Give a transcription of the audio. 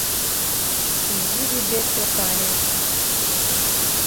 Изи вӱдет йогале